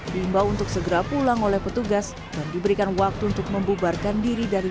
diimbau untuk segera pulang oleh petugas dan diberikan waktu untuk membubarkan diri dari